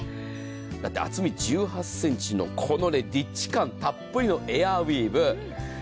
だって厚み１８ｃｍのこのリッチ感たっぷりのエアウィーヴ。